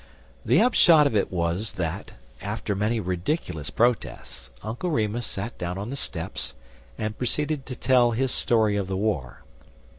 The upshot of it was that, after many ridiculous protests, Uncle Remus sat down on the steps, and proceeded to tell his story of the war.